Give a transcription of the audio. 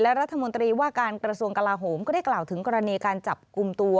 และรัฐมนตรีว่าการกระทรวงกลาโหมก็ได้กล่าวถึงกรณีการจับกลุ่มตัว